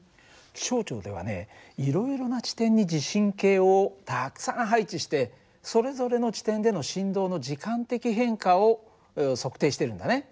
気象庁ではねいろいろな地点に地震計をたくさん配置してそれぞれの地点での振動の時間的変化を測定してるんだね。